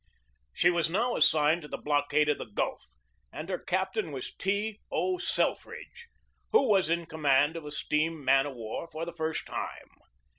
She was now assigned to the blockade of the Gulf, and her captain was T. O. Selfridge, who was in command of a steam man of war for the first time.